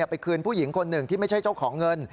ไปคืนผู้หญิงคนหนึ่งที่ไม่ใช่เจ้าของเงิน